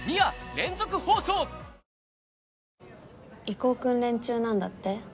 移行訓練中なんだって？